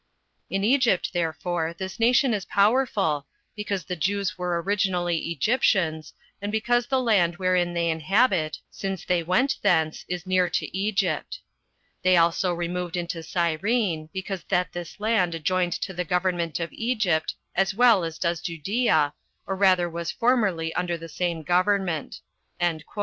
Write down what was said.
In Egypt, therefore, this nation is powerful, because the Jews were originally Egyptians, and because the land wherein they inhabit, since they went thence, is near to Egypt. They also removed into Cyrene, because that this land adjoined to the government of Egypt, as well as does Judea, or rather was formerly under the same government."